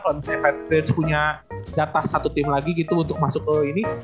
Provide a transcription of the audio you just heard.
kalau misalnya patriage punya jatah satu tim lagi gitu untuk masuk ke ini